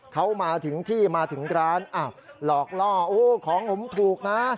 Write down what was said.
เขามาถึงที่มาถึงร้านอ้าวหลอกล่อโอ้ของผมถูกนะ